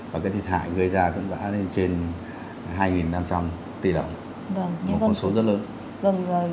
và cái thiệt hại gây ra cũng đã lên trên hai năm trăm linh tỷ đồng những con số rất lớn